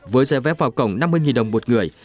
với giá vé vào cổng năm mươi đồng một người